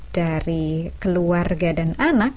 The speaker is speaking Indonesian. dari keluarga dan anak